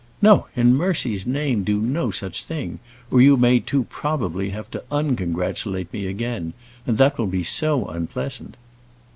"No, in mercy's name do no such thing, or you may too probably have to uncongratulate me again; and that will be so unpleasant."